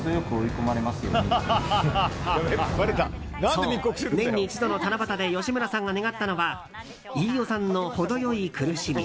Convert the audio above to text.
そう、年に一度の七夕で吉村さんが願ったのは飯尾さんの程良い苦しみ。